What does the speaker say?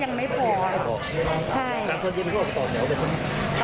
ตัวแถวไปถึง